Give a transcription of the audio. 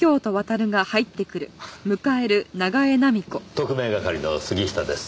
特命係の杉下です。